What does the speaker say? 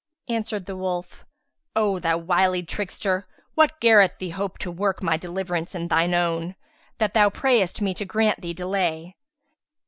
Answered the wolf "O thou wily trickster, what garreth thee hope to work my deliverance and thine own, that thou prayest me to grant thee delay?